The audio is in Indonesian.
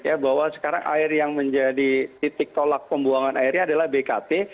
ya bahwa sekarang air yang menjadi titik tolak pembuangan airnya adalah bkt